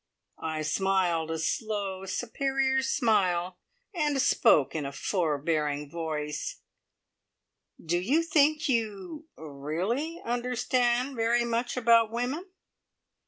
I smiled, a slow, superior smile, and spoke in a forbearing voice: "Do you think you er really understand very much about women?"